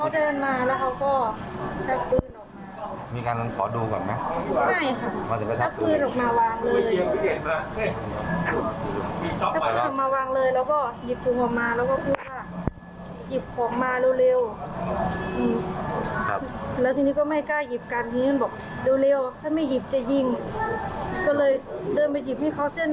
ตอนสังเกตตอนเขาปุ่งเข้ามาก็ปกติไหม